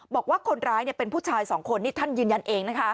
บอกว่าคนร้ายเป็นผู้ชายสองคนนี่ท่านยืนยันเองนะคะ